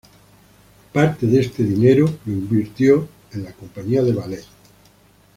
Parte de este dinero lo invirtió en la compañía de ballet.